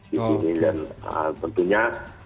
di sini dan tentunya